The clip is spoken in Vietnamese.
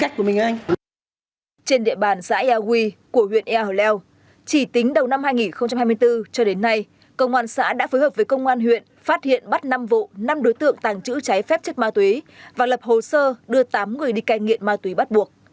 trên địa bàn xã ea huy của huyện ea hồi lèo chỉ tính đầu năm hai nghìn hai mươi bốn cho đến nay công an xã đã phối hợp với công an huyện phát hiện bắt năm vụ năm đối tượng tàng trữ trái phép chất ma túy và lập hồ sơ đưa tám người đi cai nghiện ma túy bắt buộc